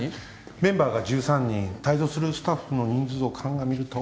メンバーが１３人帯同するスタッフの人数を鑑みると。